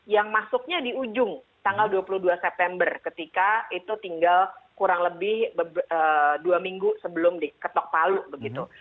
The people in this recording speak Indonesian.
yang masuknya di ujung tanggal dua puluh dua september ketika itu tinggal kurang lebih dua minggu sebelum diketok palu begitu